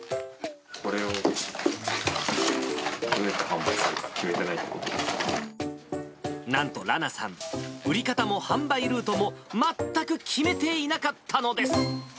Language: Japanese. これを、どうやって販売するなんと、らなさん、売り方も販売ルートも全く決めていなかったのです。